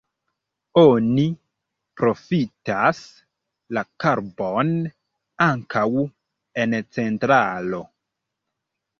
Oni profitas la karbon ankaŭ en centralo.